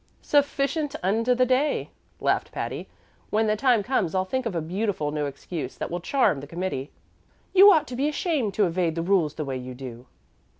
"'Sufficient unto the day,'" laughed Patty. "When the time comes I'll think of a beautiful new excuse that will charm the committee." "You ought to be ashamed to evade the rules the way you do."